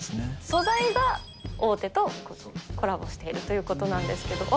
素材が大手とコラボしているということなんですけども。